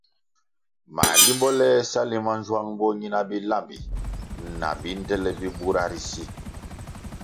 Mā limbo le sa limanzwang bo nyina bilambi na bindele bi bura ri si!